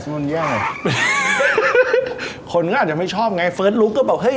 ส่วนย่ายคนก็อาจจะไม่ชอบไงเฟิร์สลุคก็บอกเฮ้ย